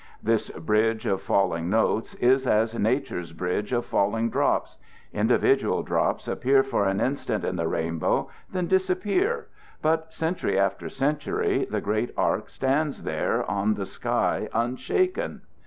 This bridge of falling notes is as Nature's bridge of falling drops: individual drops appear for an instant in the rainbow, then disappear, but century after century the great arch stands there on the sky unshaken.